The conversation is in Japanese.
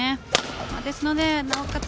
ですので、なおかつ